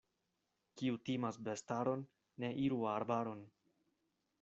Kiu timas bestaron, ne iru arbaron.